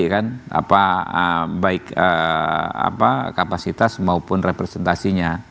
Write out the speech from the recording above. jadi kan apa baik kapasitas maupun representasinya